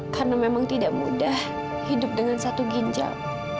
karena memang tidak mudah hidup dengan satu ginjal